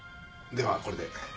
ではこれで。